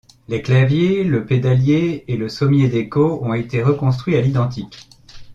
Les claviers, le pédalier et le sommier d'écho ont été reconstruits à l'identique.